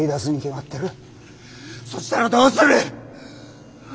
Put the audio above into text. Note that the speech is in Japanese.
そしたらどうする。